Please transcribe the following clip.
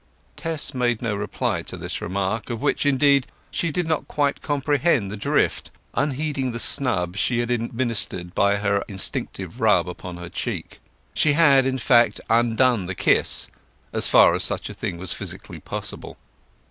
Tess made no reply to this remark, of which, indeed, she did not quite comprehend the drift, unheeding the snub she had administered by her instinctive rub upon her cheek. She had, in fact, undone the kiss, as far as such a thing was physically possible.